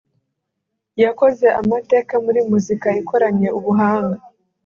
yakoze amateka muri muzika ikoranye ubuhanga